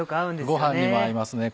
ご飯にも合いますね。